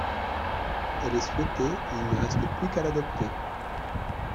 Elle est souhaitée et il ne reste plus qu’à l’adopter.